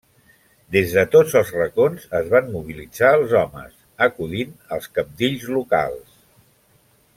Des de tots els racons es van mobilitzar els homes, acudint als cabdills locals.